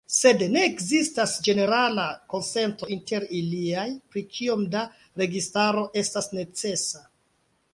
Sed ne ekzistas ĝenerala konsento inter iliaj pri kiom da registaro estas necesa.